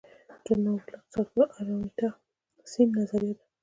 نوبل اقتصادپوه آمارتیا سېن نظريه ده.